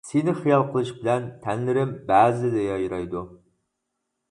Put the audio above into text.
سېنى خىيال قىلىش بىلەن تەنلىرىم بەزىدە يايرايدۇ.